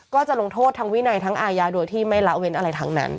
ก็จะลงโทษทั้งวินัยทั้งอาญาโดยที่ไม่ละเว้นอะไรทั้งนั้น